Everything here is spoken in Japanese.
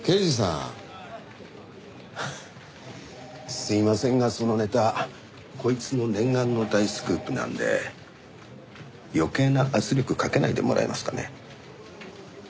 すいませんがそのネタこいつの念願の大スクープなんで余計な圧力かけないでもらえますかね。